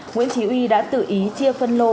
nguyễn chí uy đã tự ý chia phân lô